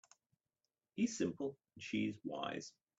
He's simple and she's wise.